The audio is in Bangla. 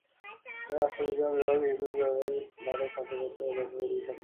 তিনি রাষ্ট্রবিজ্ঞান বিভাগের হিব্রু বিশ্ববিদ্যালয়ে স্নাতক, স্নাতকোত্তর এবং ডক্টরাল ডিগ্রি সম্পন্ন করেন।